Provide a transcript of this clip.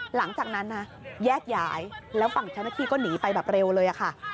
หลังจากนั้นนะแยกย้ายแล้วฝั่งเจ้าหน้าที่ก็หนีไปแบบเร็วเลยค่ะ